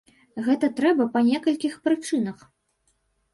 Гэта трэба па некалькіх прычынах.